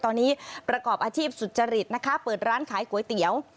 ตอนนี้ประกอบอาชีพสุจริตนะคะเปิดร้านขายก๋วยเตี๋ยว